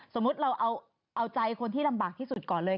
สมมุติเราเอาใจคนที่ลำบากที่สุดก่อนเลย